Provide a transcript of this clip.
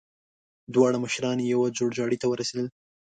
دواړه مشران يوه جوړجاړي ته ورسېدل.